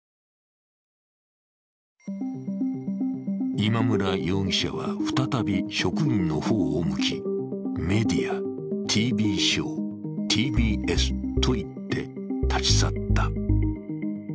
今村容疑者は再び職員の方を向き「メディア、ＴＶショー、ＴＢＳ」と言って立ち去った。